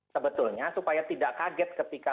sebetulnya supaya tidak kaget ketika